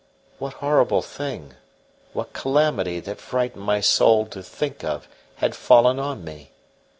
What horrible thing, what calamity that frightened my soul to think of, had fallen on me?